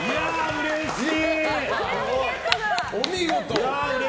うれしい！